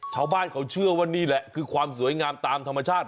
ชาวบ้านเขาเชื่อว่านี่แหละคือความสวยงามตามธรรมชาติ